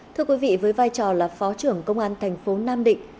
thưa quý vị với vai trò là phó trưởng công an thành phố nam định